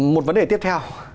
một vấn đề tiếp theo